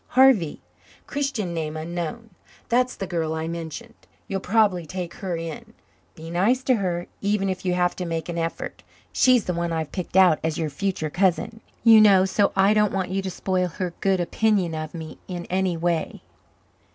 "Harvey. Christian name unknown. That's the girl I mentioned. You'll probably take her in. Be nice to her even if you have to make an effort. She's the one I've picked out as your future cousin, you know, so I don't want you to spoil her good opinion of me in any way."